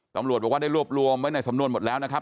ตำรวจบอกว่าได้รวบรวมไว้ในสำนวนหมดแล้วนะครับ